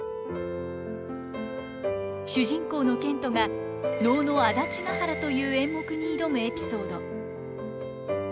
主人公の憲人が能の「安達原」という演目に挑むエピソード。